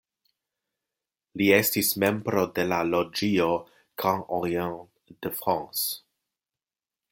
Li estis membro de la loĝio "Grand Orient de France".